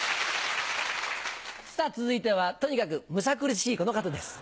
さぁ続いてはとにかくむさ苦しいこの方です。